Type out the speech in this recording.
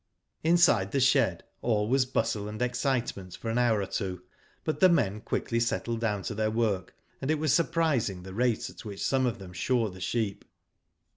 Inside the shed all was bustle and excitement for an hour or two, but the men quickly settled down to their work, and it was surprising the rate at which some of them shore the sheep.